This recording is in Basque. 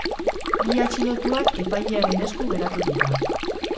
Bi atxilotuak epailearen esku geratu dira.